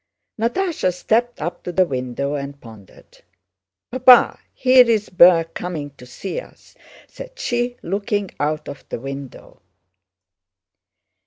Natásha stepped up to the window and pondered. "Papa! Here's Berg coming to see us," said she, looking out of the window.